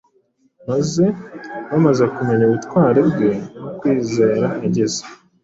Maze bamaze kumenya ubutwari bwe no kwizera yagize